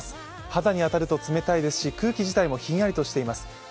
肌に当たると冷たいですし、空気自体もひんやりしています。